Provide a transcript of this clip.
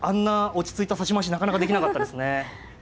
落ち着いた指し回しなかなかできなかったですね。